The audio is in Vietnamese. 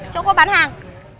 chỗ cô bán hàng